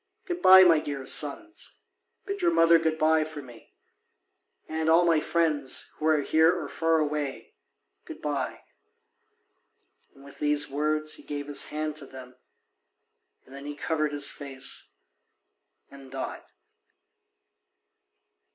Good bye, my dear sons, bid your mother good bye for me. And all my friends, who are here or far away, good bye." And with these words he gave his hand to them, and then he covered his face and died.